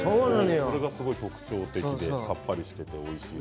それが特徴的でさっぱりしておいしいなと。